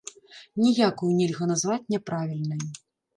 Ніякую нельга назваць няправільнай.